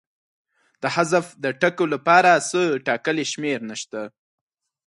د حذف د ټکو لپاره څه ټاکلې شمېر نشته.